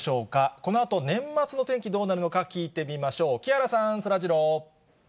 このあと、年末の天気、どうなるのか聞いてみましょう、木原さん、そらジロー。